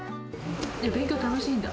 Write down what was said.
勉強楽しいんだ？